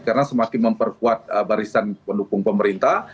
karena semakin memperkuat barisan pendukung pemerintah